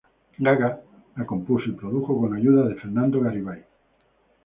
Gaga la compuso y produjo con ayuda de Fernando Garibay.